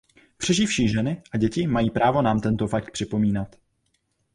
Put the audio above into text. Přeživší ženy a děti mají právo nám tento fakt připomínat.